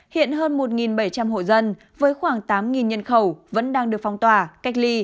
hiện hơn một bảy trăm linh hộ dân với khoảng tám nhân khẩu vẫn đang được phong tỏa cách ly